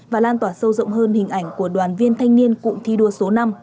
và lan tỏa sâu rộng hơn hình ảnh của đoàn viên thanh niên cụm thi đua số năm